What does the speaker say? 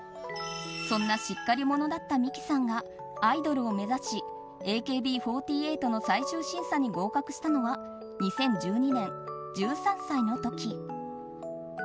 そんなしっかり者だった未姫さんがアイドルを目指しＡＫＢ４８の最終審査に合格したのは２０１２年、１３歳の時。